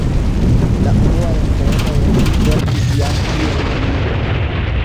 La unuajn poemojn li verkis jam kiel junulo.